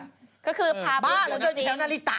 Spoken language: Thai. เขาก็คือพาบ้ายเหรอเถอะจริงทางนาลิตะ